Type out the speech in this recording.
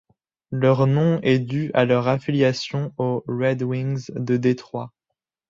Leur nom est dû à leur affiliation aux Red Wings de Détroit.